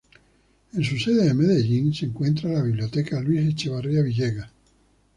En su sede de Medellín se encuentra la Biblioteca Luis Echavarría Villegas.